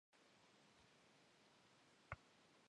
Baxhe xhunır sıt şığui yok'ueç'.